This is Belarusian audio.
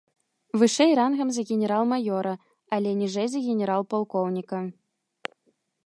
Вышэй рангам за генерал-маёра, але ніжэй за генерал-палкоўніка.